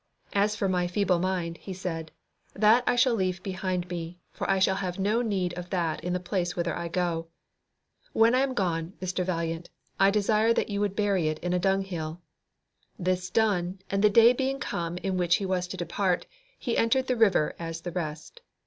"As for my feeble mind," he said, "that I shall leave behind me, for I shall have no need of that in the place whither I go. When I am gone, Mr. Valiant, I desire that you would bury it in a dung hill." This done, and the day being come in which he was to depart, he entered the river as the rest.